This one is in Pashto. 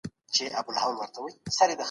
قرآن د پوهې او حکمت سرچینه ده.